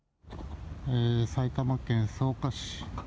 埼玉県草加市。